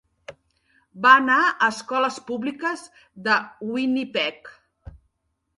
Va anar a escoles públiques de Winnipeg.